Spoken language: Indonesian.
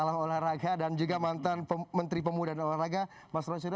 salam olahraga dan juga mantan menteri pemuda dan olahraga mas roy sudha